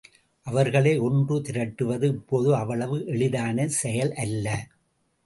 அவர்களை ஒன்று திரட்டுவது இப்போது அவ்வளவு எளிதான செயல் அல்ல.